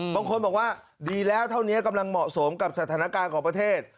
บางคนบอกว่าดีแล้วเท่านี้กำลังเหมาะสมกับสถานการณ์ของประเทศ